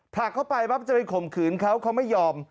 ผลักเข้าไปปั๊บจะไปข่มขืนเขาเขาไม่ยอม